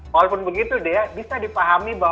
walaupun begitu dia bisa dipahami bahwa